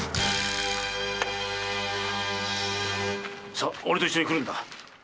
さおれと一緒に来るんだ！